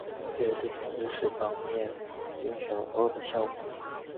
这也是蒋介石方面金钱拢络的效果。